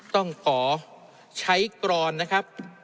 ต้องขอใช้กรอนนะครับ